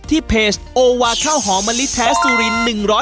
ที่เพจโอวาข้าวหอมมลิแท้สุริน๑๐๐